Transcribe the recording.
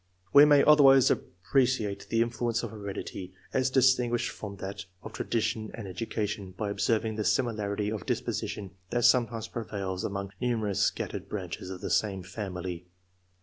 We may otherwise appreciate the influence of heredity, as distinguished firom that of tradi tion and education, by observing the similarity of disposition that sometimes prevails among numerous scattered branches of the same family.